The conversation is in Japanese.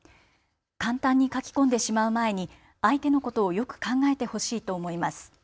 簡単に書き込んでしまう前に相手のことをよく考えてほしいと思います。